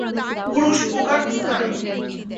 পুরুষ প্রকার স্থানিক।